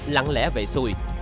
lặng lẽ về xui